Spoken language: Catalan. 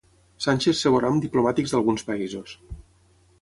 Sánchez es veurà amb diplomàtics d'alguns països